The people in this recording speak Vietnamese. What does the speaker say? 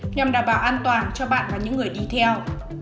nhằm đảm bảo an toàn cho bạn và những người đi theo